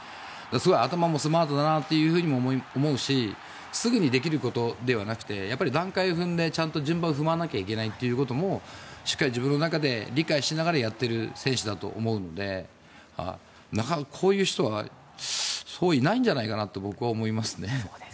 頭もスマートだなと思うしすぐにできることではなくて段階を踏んでちゃんと順番を踏まなきゃいけないということもしっかり自分の中で理解してやっている選手だと思うのでこういう人はそういないんじゃないのかなと思います。